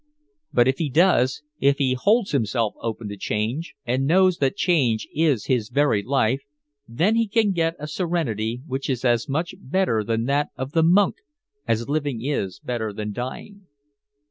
But if he does, if he holds himself open to change and knows that change is his very life, then he can get a serenity which is as much better than that of the monk as living is better than dying."